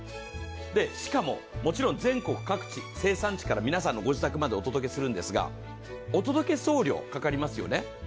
しかも全国各地、生産地から皆さんのご自宅にお届けするんですがお届け送料かかりますよね。